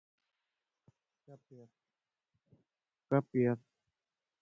Да, я простила бы.